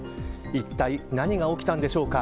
いったい何が起きたんでしょうか。